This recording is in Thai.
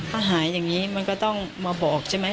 ถ้าหายอย่างนี้มันก็ต้องมาบอกใช่ไหม